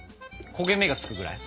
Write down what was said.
焦げ目がつくぐらい？